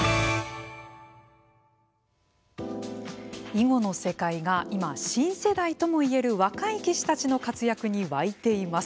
囲碁の世界が今新世代とも言える若い棋士たちの活躍に沸いています。